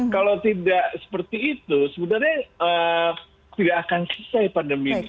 kalau tidak seperti itu sebenarnya tidak akan selesai pandemi ini